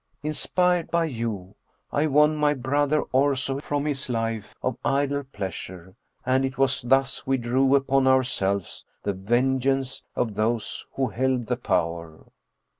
Inspired by you, I won my brother Orso from his life of idle pleasure, and it was thus we drew down upon ourselves the vengeance of those who held the power.